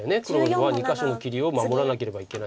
黒は２か所の切りを守らなければいけないんです。